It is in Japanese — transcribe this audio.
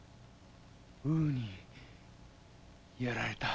ウーにやられた。